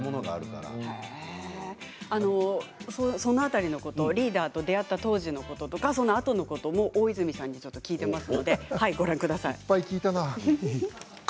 その辺りのことをリーダーと出会った当時のことその後のことも大泉さんに聞いています。